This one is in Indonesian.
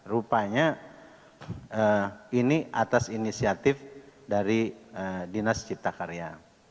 rupanya ini atas inisiatif dari dinas cipta karya